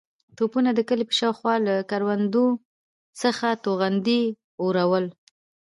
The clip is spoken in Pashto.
توپونو د کلي په شا کې له کروندو څخه توغندي اورول.